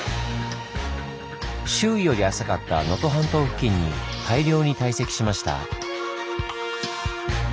周囲より浅かった能登半島付近に大量に堆積しました。